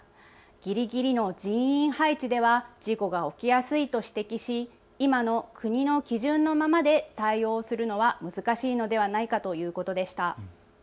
ギリギリの人員配置では事故が起きやすいと指摘し今の国の基準のままで対応するのは難しいのではないかということでした。